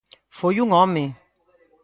Foi un home.